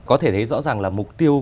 có thể thấy rõ ràng là mục tiêu